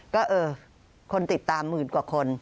ก็เออคนติดตามหมื่นกว่าคน